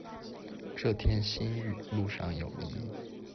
这天新雨，路上有泥。